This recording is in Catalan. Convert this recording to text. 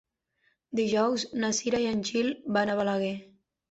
Dijous na Cira i en Gil van a Balaguer.